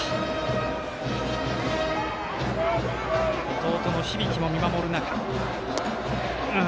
弟の響も見守る中。